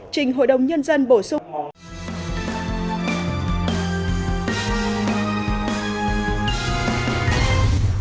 trình hội đồng nhân dân bổ sung quy hoạch